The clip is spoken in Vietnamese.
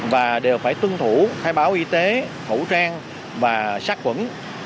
và đều phải tuân thủ khai báo y tế khẩu trang và sát quẩn